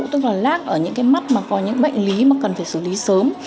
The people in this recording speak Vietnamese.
tức là lát ở những mắt có những bệnh lý cần phải xử lý sớm